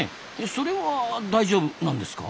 それは大丈夫なんですか？